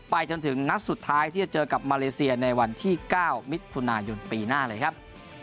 จนถึงนัดสุดท้ายที่จะเจอกับมาเลเซียในวันที่๙มิถุนายนปีหน้าเลยครับ